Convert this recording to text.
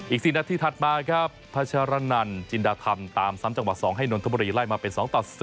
อีก๔นาทีถัดมาครับพัชรนันจินดาธรรมตามซ้ำจังหวัด๒ให้นนทบุรีไล่มาเป็น๒ต่อ๓